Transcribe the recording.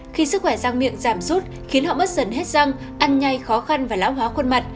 khi sức khỏe răng miệng giảm rút khiến họ mất dần hết răng ăn nhanh khó khăn và lão hóa khuôn mặt